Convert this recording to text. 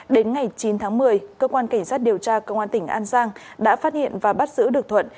đến ngày chín tháng một mươi cơ quan cảnh sát điều tra công an tỉnh an giang đã phát hiện và bắt giữ được thuận